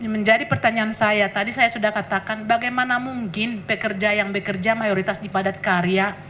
menjadi pertanyaan saya tadi saya sudah katakan bagaimana mungkin pekerja yang bekerja mayoritas di padat karya